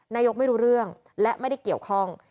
นายกไม่รู้เรื่องและไม่ได้เกี่ยวข้อง